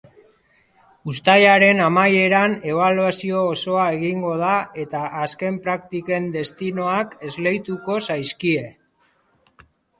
Uztailaren amaieran ebaluazio osoa egingo da eta azken praktiken destinoak esleituko zaizkie.